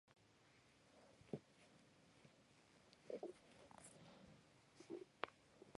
He was brought to Luxembourg and put on trial.